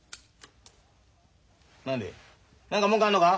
何でえ何か文句あんのか？